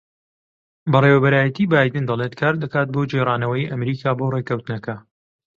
بەڕێوەبەرایەتیی بایدن دەڵێت کار دەکات بۆ گێڕانەوەی ئەمریکا بۆ ڕێککەوتنەکە